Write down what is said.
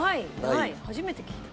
初めて聞いた。